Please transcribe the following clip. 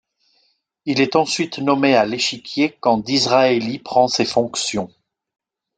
Il est ensuite nommé à l'Échiquier quand Disraeli prend ses fonctions.